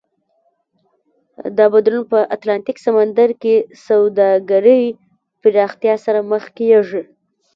دا بدلون په اتلانتیک سمندر کې سوداګرۍ پراختیا سره مخ کېږي.